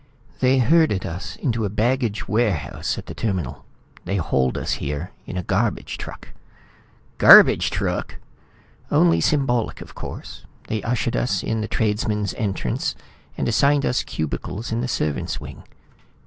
"They herded us into a baggage warehouse at the terminal. Then they hauled us here in a garbage truck " "Garbage truck!" "Only symbolic, of course. They ushered us in the tradesman's entrance, and assigned us cubicles in the servants' wing.